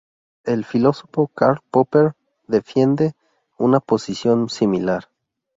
El filósofo Karl Popper defiende una posición similar.